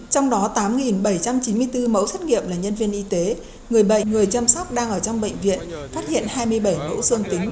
trong đó tám bảy trăm chín mươi bốn mẫu xét nghiệm là nhân viên y tế người bệnh người chăm sóc đang ở trong bệnh viện phát hiện hai mươi bảy mẫu dương tính